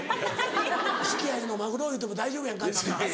「好きや」いうの「マグロ」言うても大丈夫やんか。